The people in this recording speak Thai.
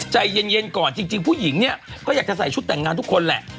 ใจเย็นก่อนจริงผู้หญิงเนี่ยก็อยากจะใส่ชุดแต่งงานทุกคนแหละ